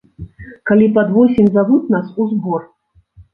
Калі пад восень завуць нас у збор.